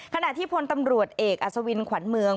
ขณะที่พลตำรวจเอกอัศวินขวัญเมือง